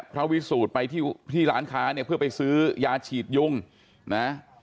วิสูจน์ไปที่ร้านค้าเนี่ยเพื่อไปซื้อยาฉีดยุงนะ